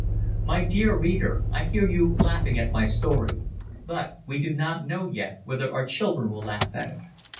My dear reader, I hear you laughing at my story. But we do not know yet whether our children will laugh at it.